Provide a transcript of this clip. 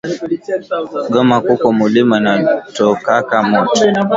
Goma kuko mulima inatokaka moto